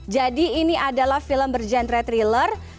jadi ini adalah film berjenre thriller